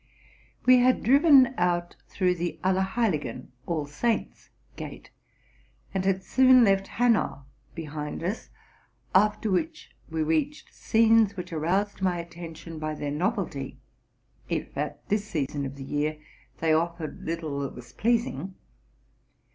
We had driven out through the Allerheiligen (All Saints) gate, and had soon left Hanau behind us, after which we reached scenes which aroused my attention by their novelty, if. at this season of the year, they offered little that was pleasing.